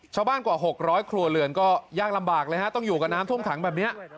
กว่า๖๐๐ครัวเรือนก็ยากลำบากเลยฮะต้องอยู่กับน้ำท่วมขังแบบนี้